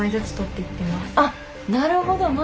あっなるほど。